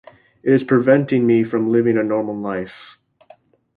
It is preventing me from living a normal life.